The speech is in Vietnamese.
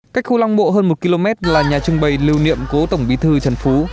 cách khu long bộ hơn một km là nhà trưng bày lưu niệm cố tổng bí thư trần phú